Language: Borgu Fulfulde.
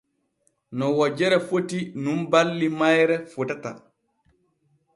No wojere foti nun balli mayre fotata.